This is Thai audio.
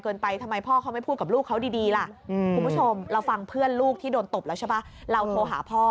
คุณผู้ชมเราฟังเพื่อนลูกที่โดนตบแล้วใช่ปะเราโทรหาพ่อ